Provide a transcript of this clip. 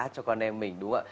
cho con em mình đúng ạ